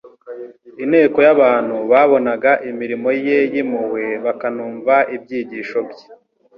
Inteko y'abantu babonaga imirimo ye y'impuhwe bakanumva ibyigisho bye